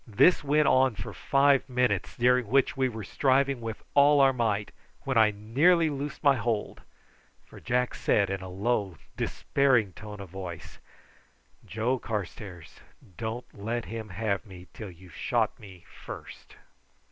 This went on for five minutes, during which we were striving with all our might, when I nearly loosed my hold, for Jack said in a low despairing tone of voice: "Joe Carstairs, don't let him have me till you've shot me first."